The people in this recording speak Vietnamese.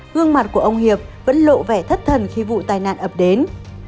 gương mặt của ông hiệp vẫn lộ vẻ thất thần khi vụ tai nạn ập đến